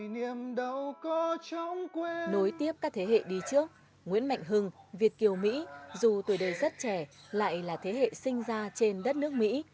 nối tiếp các thế hệ đi trước nguyễn mạnh hưng việt kiều mỹ dù tuổi đời rất trẻ lại là thế hệ sinh ra trên đất nước mỹ